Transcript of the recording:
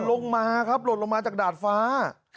ลงมาหลดลงมาจากดาดฟ้า